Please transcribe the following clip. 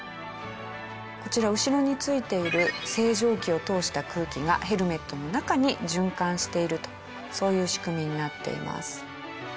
こちら後ろに付いている清浄機を通した空気がヘルメットの中に循環しているとそういう仕組みになっています。